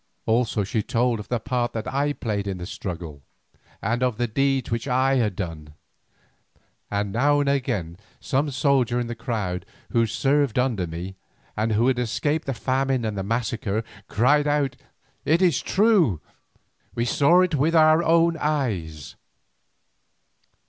Also she told of the part that I played in the struggle, and of the deeds which I had done, and now and again some soldier in the crowd who served under me, and who had escaped the famine and the massacre, cried out: "It is true; we saw it with our eyes."